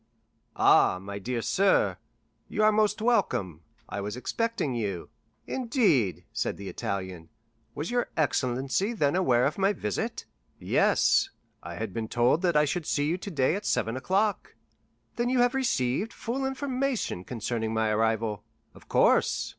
"Ah, my dear sir, you are most welcome; I was expecting you." "Indeed," said the Italian, "was your excellency then aware of my visit?" "Yes; I had been told that I should see you today at seven o'clock." "Then you have received full information concerning my arrival?" "Of course."